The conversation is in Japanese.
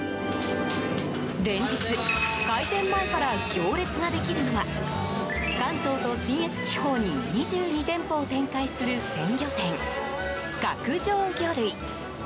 連日、開店前から行列ができるのは関東と信越地方に２２店舗を展開する鮮魚店、角上魚類。